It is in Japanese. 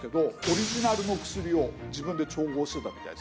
オリジナルの薬を自分で調合してたみたいですね。